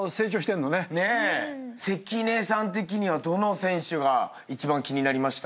関根さん的にはどの選手が一番気になりました？